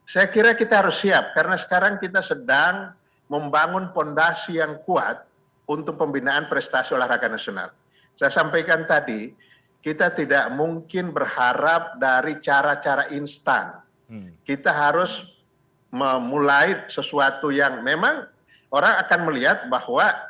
saya kira kita harus siap karena sekarang kita sedang membangun fondasi yang kuat untuk pembinaan prestasi olahraga nasional saya sampaikan tadi kita tidak mungkin berharap dari cara cara instan kita harus memulai sesuatu yang memang orang akan melihat bahwa